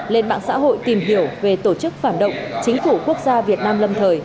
lên mạng xã hội tìm hiểu về tổ chức phản động chính phủ quốc gia việt nam lâm thời